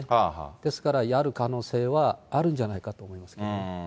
ですから、やる可能性はあるんじゃないかと思いますけどね。